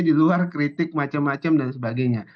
di luar kritik macam macam dan sebagainya